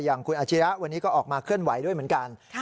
อย่างคุณอาชิระวันนี้ก็ออกมาเคลื่อนไหวด้วยเหมือนกัน